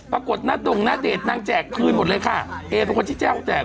อ๋อพูดตอบนุ่งเยอะเลยพี่เอ๊